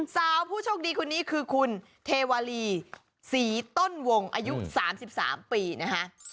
สาวผู้โชคดีคนนี้คือคุณเทวาลีศรีต้นวงอายุ๓๓ปีนะคะ